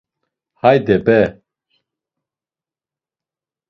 Hayde beee...